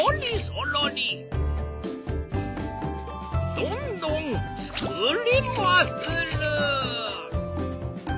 どんどん作りまする。